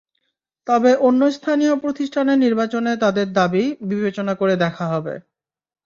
তবে অন্য স্থানীয় প্রতিষ্ঠানের নির্বাচনে তাঁদের দাবি বিবেচনা করে দেখা হবে।